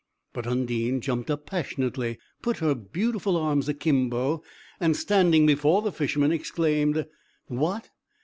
But Undine jumped up passionately, put her beautiful arms akimbo, and standing before the Fisherman, exclaimed: "What!